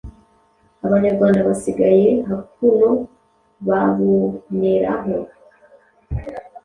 Abanyarwanda basigaye hakuno baboneraho